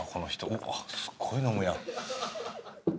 うわっすごい飲むやん。